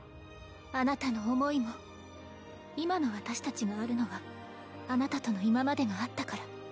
あなたの思いも今の私たちがあるのはあなたとの今までがあったから。